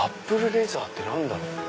レザーって何だろう？